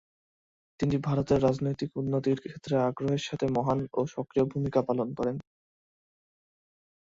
তিনি ভারতে রাজনৈতিক উন্নতির ক্ষেত্রে আগ্রহের সাথে মহান ও সক্রিয় ভূমিকা পালন করেন।